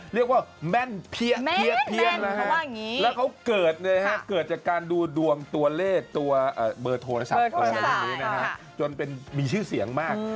เรียกว่าแม่นเพี้ยแล้วเขาเกิดจากการดูดวงตัวเลขตัวเบอร์โทรศัพท์จนเป็นมีชื่อเสียงมาก